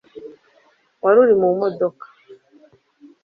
wari uri mu modoka